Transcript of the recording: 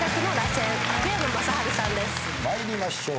参りましょう。